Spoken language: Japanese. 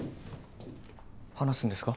話すんですか？